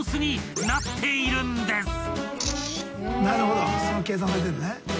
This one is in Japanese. なるほど。